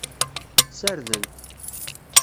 Ssarden-t.